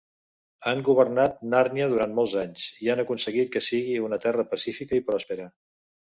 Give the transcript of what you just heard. Han governat Nàrnia durant molts anys, i han aconseguit que sigui una terra pacífica i pròspera